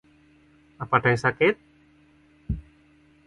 Apa ada yang sakit?